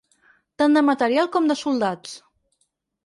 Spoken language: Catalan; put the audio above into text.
Tant de material com de soldats.